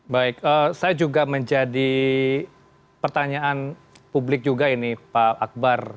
baik saya juga menjadi pertanyaan publik juga ini pak akbar